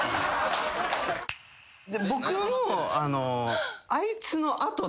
僕も。